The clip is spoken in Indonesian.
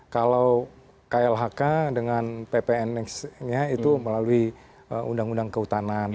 kalau klhk dengan ppnx nya itu melalui undang undang kehutanan